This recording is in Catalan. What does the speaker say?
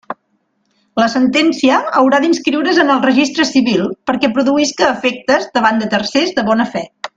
La sentència haurà d'inscriure's en el registre civil perquè produïsca efectes davant de tercers de bona fe.